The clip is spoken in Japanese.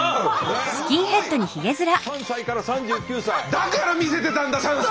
だから見せてたんだ３歳。